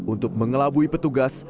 untuk mengelabui karyawan